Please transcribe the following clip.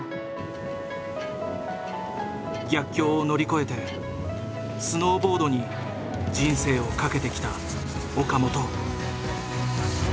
逆境を乗り越えてスノーボードに人生をかけてきた岡本。